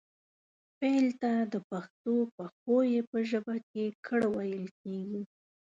فعل ته د پښتو پښويې په ژبه کې کړ ويل کيږي